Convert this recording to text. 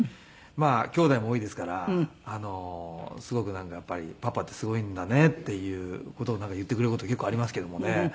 きょうだいも多いですからすごくなんかやっぱり「パパってすごいんだね」っていう事を言ってくれる事結構ありますけどもね。